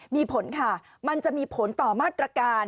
มีผลค่ะมันจะมีผลต่อมาตรการ